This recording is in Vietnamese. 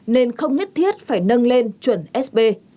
nên không nhất thiết phải nâng lên chuẩn sb